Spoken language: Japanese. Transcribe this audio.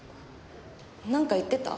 なんか言ってた？